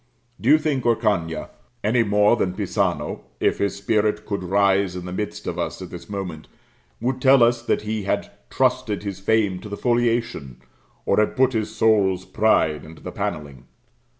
Do you think Orcagna, any more than Pisano, if his spirit could rise in the midst of us at this moment, would tell us that he had trusted his fame to the foliation, or had put his soul's pride into the panelling?